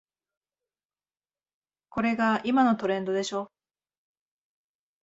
これが今のトレンドでしょ